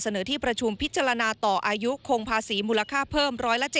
ที่ประชุมพิจารณาต่ออายุคงภาษีมูลค่าเพิ่ม๑๗๐